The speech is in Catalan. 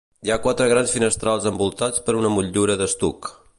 Hi ha quatre grans finestrals envoltats per una motllura d'estuc.